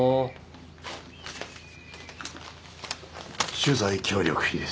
取材協力費です。